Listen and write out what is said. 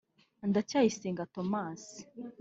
Ndacayisenga Thomas